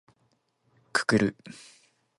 くくる